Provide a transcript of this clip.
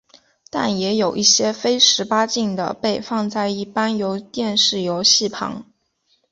但也有一些非十八禁的被放在一般电视游戏旁。